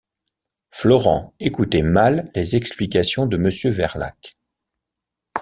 Florent écoutait mal les explications de monsieur Verlaque.